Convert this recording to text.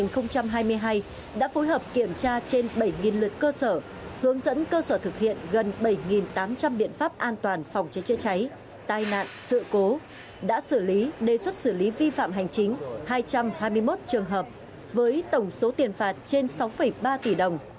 năm hai nghìn hai mươi hai đã phối hợp kiểm tra trên bảy lượt cơ sở hướng dẫn cơ sở thực hiện gần bảy tám trăm linh biện pháp an toàn phòng cháy chữa cháy tai nạn sự cố đã xử lý đề xuất xử lý vi phạm hành chính hai trăm hai mươi một trường hợp với tổng số tiền phạt trên sáu ba tỷ đồng